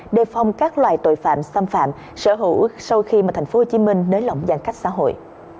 đề phong các loài tội phạm xâm phạm sở hữu sau khi thành phố hồ chí minh nới lỏng giang cách xã hội